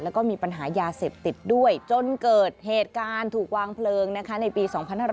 แล้วก็มีปัญหายาเสพติดด้วยจนเกิดเหตุการณ์ถูกวางเพลิงในปี๒๕๕๙